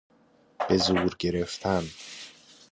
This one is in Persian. بزور گرفتن